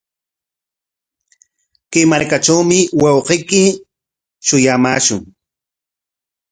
Chay markatrawmi wawqiyki shuyamaashun.